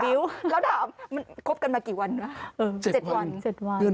แบบนี้เลย